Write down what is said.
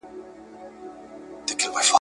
د ماسټرۍ برنامه په تصادفي ډول نه ټاکل کیږي.